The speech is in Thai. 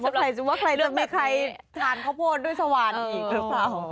ไม่ว่าใครจะมีใครทานข้าวโพดด้วยสวรรค์อีกครับ